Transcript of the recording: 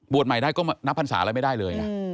บวชใหม่ได้ก็นับพรรษาล่ะไม่ได้เลย